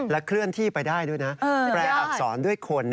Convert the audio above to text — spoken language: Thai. เคลื่อนที่ไปได้ด้วยนะแปลอักษรด้วยคน